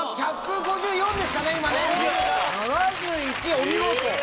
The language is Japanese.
お見事！